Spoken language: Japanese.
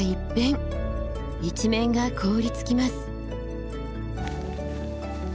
一面が凍りつきます。